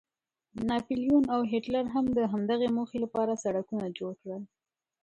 ناپلیون او هیټلر هم د همدغې موخې لپاره سړکونه جوړ کړل.